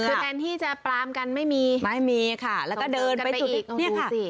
คือแทนที่จะปลามกันไม่มีไม่มีค่ะแล้วก็เดินไปจุดอีกเนี่ยค่ะ